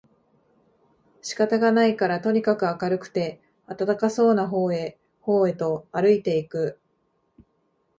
仕方がないからとにかく明るくて暖かそうな方へ方へとあるいて行く